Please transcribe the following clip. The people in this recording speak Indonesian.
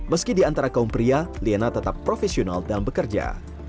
meski di antara kaum pria liana tetap profesional dalam bekerja